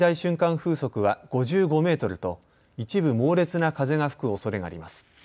風速は５５メートルと一部、猛烈な風が吹くおそれがあります。